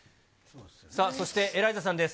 そして、エライザさんです。